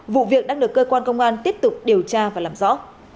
vụ việc đang được cơ quan công an tiếp tục điều tra và làm rõ